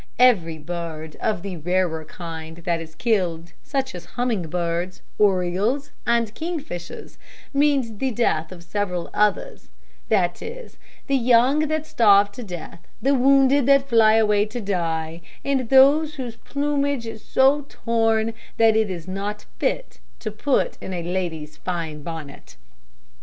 Every bird of the rarer kinds that is killed, such as humming birds, orioles and kingfishers, means the death of several others that is, the young that starve to death, the wounded that fly away to die, and those whose plumage is so torn that it is not fit to put in a fine lady's bonnet.